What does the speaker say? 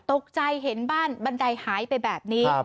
ตกใจเห็นบ้านบันไดหายไปแบบนี้